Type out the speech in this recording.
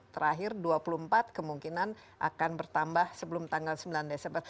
terakhir dua puluh empat kemungkinan akan bertambah sebelum tanggal sembilan desember